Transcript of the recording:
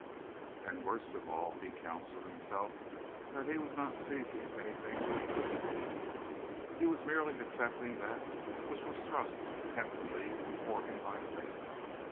And worst of all, he counselled himself that he was not seizing anything ruthlessly. He was merely accepting that which was thrust temptingly before him by fate.